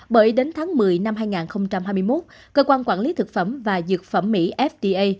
bởi đến tháng một mươi năm hai nghìn hai mươi một cơ quan quản lý thực phẩm và dược phẩm mỹ fda